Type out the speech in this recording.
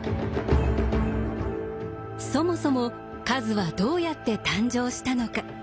そもそも数はどうやって誕生したのか。